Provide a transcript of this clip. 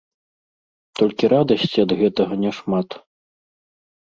Толькі радасці ад гэтага няшмат.